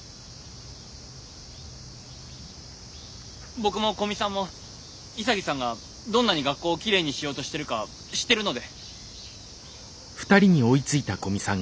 僕も古見さんも潔さんがどんなに学校をきれいにしようとしてるか知ってるので。